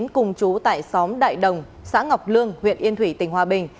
cùng chú tại xóm đại đồng xã ngọc lương huyện yên thủy tỉnh hòa bình